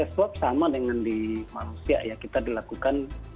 oke jadi untuk proses swab sama dengan di manusia ya kita dilakukan untuk penyakit